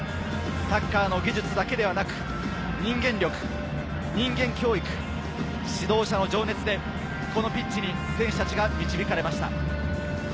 サッカーの技術だけではなく、人間力、人間教育、指導者の情熱でこのピッチに選手たちが導かれました。